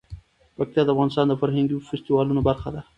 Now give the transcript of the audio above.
پکتیا د افغانستان د فرهنګي فستیوالونو برخه ده.